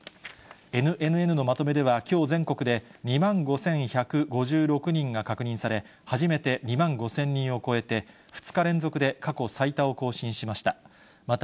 ＮＮＮのまとめではきょう、全国で２万５１５６人が確認され、初めて２万５０００人を超えて、２日連続で過去最多を更新しました。